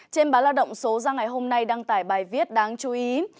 trên báo lao động số ra ngày hôm nay đăng tải bài viết đáng chú ý